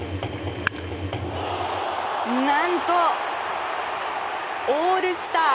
何とオールスター